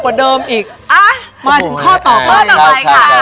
ข้อต่อไปค่ะ